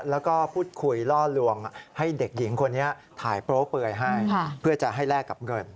แล้วก็พูดคุยล่อลวงให้เด็กหญิงคนนี้ถ่ายโปรเปื่อยให้เพื่อจะให้แลกกับเงิน